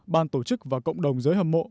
ban tổ chức và cộng đồng giới hâm mộ